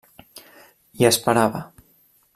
I esperava.